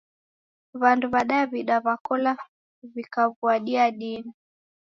Wandu w'a dawida w'akola wikaw'uadia dini